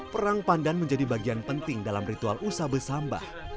perang pandan menjadi bagian penting dalam ritual usah besambah